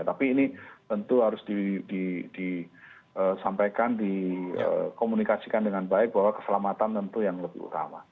tapi ini tentu harus disampaikan dikomunikasikan dengan baik bahwa keselamatan tentu yang lebih utama